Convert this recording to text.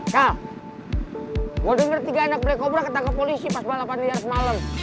kal gue denger tiga anak black cobra ketangkap polisi pas balapan liar semalam